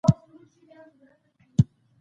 بيا دې تيمم ووهل شي.